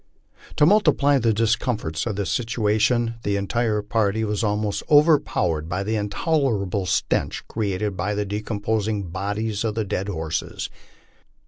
To multiply the discomforts of their situation, the entire party was almost overpowered by the intolerable stench created by the decomposing bodies of the dead horses.